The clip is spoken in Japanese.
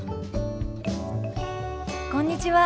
こんにちは。